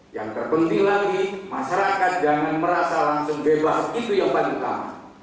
yang terpenting lagi masyarakat jangan merasa langsung bebas itu yang paling utama